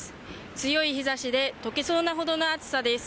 強い日差しで溶けそうなほどの暑さです。